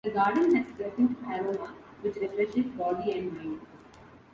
The garden has pleasant aroma, which refreshes body and mind.